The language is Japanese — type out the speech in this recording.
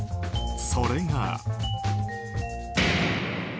それが。